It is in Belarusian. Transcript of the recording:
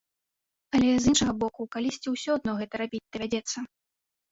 Але, з іншага боку, калісьці ўсё адно гэта рабіць давядзецца.